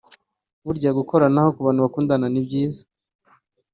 Burya gukoranaho ku bantu bakundana ni byiza